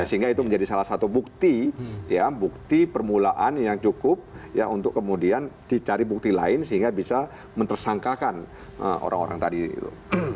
sehingga itu menjadi salah satu bukti ya bukti permulaan yang cukup ya untuk kemudian dicari bukti lain sehingga bisa mentersangkakan orang orang tadi itu